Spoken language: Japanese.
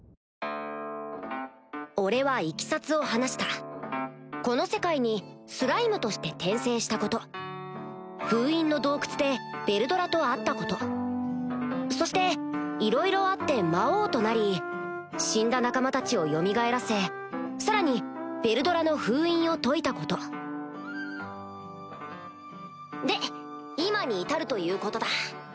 俺はいきさつを話したこの世界にスライムとして転生したこと封印の洞窟でヴェルドラと会ったことそしていろいろあって魔王となり死んだ仲間たちをよみがえらせさらにヴェルドラの封印を解いたことで今に至るということだ。